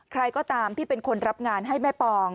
ใครก็ตามที่เป็นคนรับงานให้แม่ปอง